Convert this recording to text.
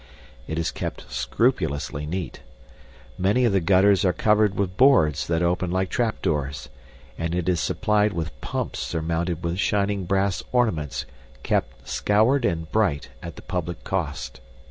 It is kept scrupulously neat. Many of the gutters are covered with boards that open like trapdoors, and it is supplied with pumps surmounted with shining brass ornaments kept scoured and bright at the public cost.